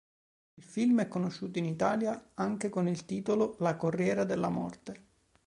Il film è conosciuto in Italia anche con il titolo La corriera della morte.